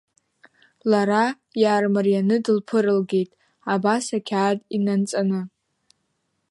Лара иаармарианы дылԥырлгеит, абас ақьаад инанҵаны…